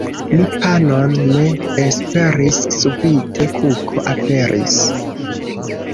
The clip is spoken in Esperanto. Mi panon ne esperis, subite kuko aperis.